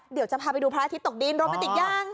เดี๋ยวจะพาไปดูพระอาทิตย์ตกดินโรแมนติกยัง